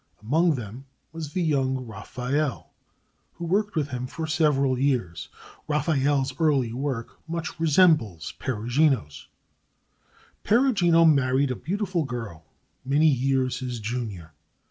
Among them was the young Raphael, who worked with him for several years. Raphael's early work much resembles Perugino's. Perugino married a beautiful girl many years his junior.